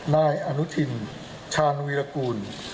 ๖๙๔นายอนุทินชานวิรกูล